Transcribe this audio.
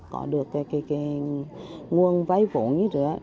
có được nguồn vay vốn